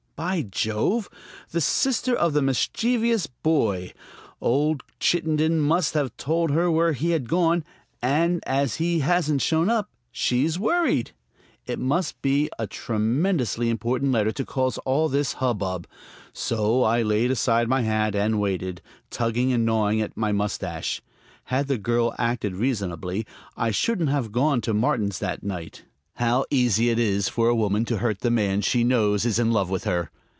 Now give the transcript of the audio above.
By Jove! the sister of the mischievous boy! Old Chittenden must have told her where he had gone, and as he hasn't shown up, she's worried. It must be a tremendously important letter to cause all this hubbub. So I laid aside my hat and waited, tugging and gnawing at my mustache.... Had the Girl acted reasonably I shouldn't have gone to Martin's that night. How easy it is for a woman to hurt the man she knows I is in love with her!